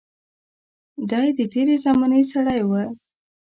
دای د تېرې زمانې سړی و.